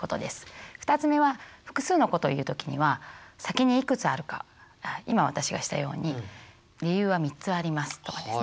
２つ目は複数のことを言う時には先にいくつあるか今私がしたように「理由は３つあります」とかですね。